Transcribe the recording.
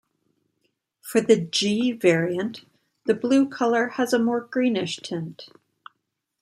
For the "G" variant the blue colour has a more greenish tint.